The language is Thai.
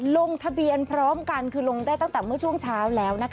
ลงทะเบียนพร้อมกันคือลงได้ตั้งแต่เมื่อช่วงเช้าแล้วนะคะ